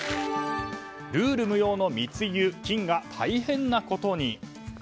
ルール無用の密輸金が大変なことに！